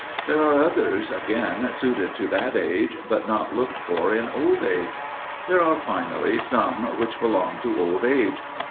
There are others, again, suited to that age, but not looked for in old age. There are, finally, some which belong to Old age.